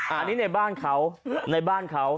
อันนี้ในบ้านเขาในบ้านเขา